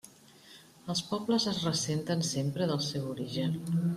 Els pobles es ressenten sempre del seu origen.